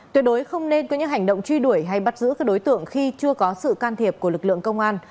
tuyệt đối không nên có những hành động truy đuổi hay bắt giữ các đối tượng khi chưa có sự can thiệp của lực lượng công an